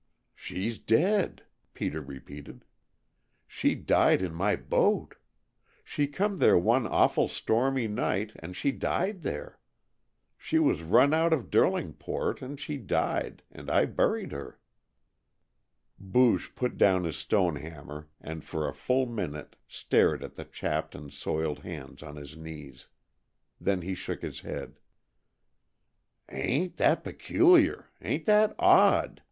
"She's dead," Peter repeated. "She died in my boat. She come there one awful stormy night, and she died there. She was run out of Derlingport, and she died, and I buried her." Booge put down his stone hammer and for a full minute stared at the chapped and soiled hands on his knees. Then he shook his head. "Ain't that peculiar? Ain't that odd?"